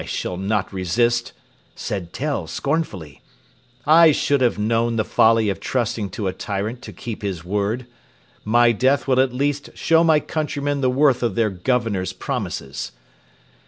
"I shall not resist," said Tell scornfully. "I should have known the folly of trusting to a tyrant to keep his word. My death will at least show my countrymen the worth of their Governor's promises."